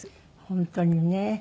本当にね。